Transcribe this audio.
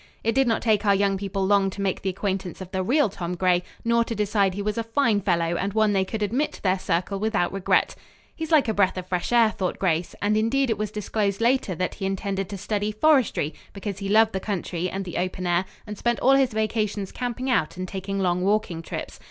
It did not take our young people long to make the acquaintance of the real Tom Gray, nor to decide he was a fine fellow and one they could admit to their circle without regret. "He's like a breath of fresh air," thought Grace, and indeed it was disclosed later that he intended to study forestry because he loved the country and the open air, and spent all his vacations camping out and taking long walking trips.